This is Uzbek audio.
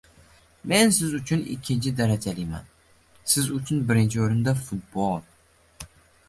- Men siz uchun ikkinchi darajaliman! Siz uchun birinchi o'rinda - Futbol!!